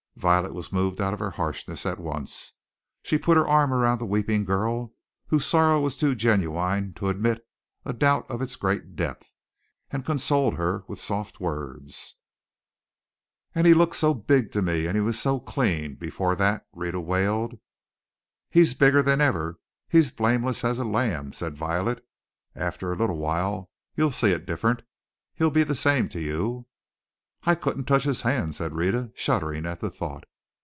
Violet was moved out of her harshness at once. She put her arm around the weeping girl, whose sorrow was too genuine to admit a doubt of its great depth, and consoled her with soft words. "And he looked so big to me, and he was so clean, before that," Rhetta wailed. "He's bigger than ever, he's as blameless as a lamb," said Violet. "After a little while you'll see it different, he'll be the same to you." "I couldn't touch his hand!" said Rhetta, shuddering at the thought.